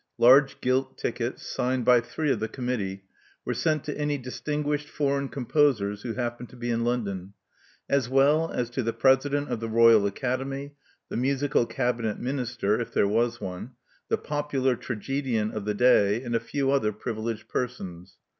Large gilt tickets, signed by three of the committee, were sent to any distinguished foreign composers who happened to be in London, as well as to the president of the Royal Academy, the musical Cabinet Minister (if there was one), the popular tragedian of the day, and a few other privileged persons.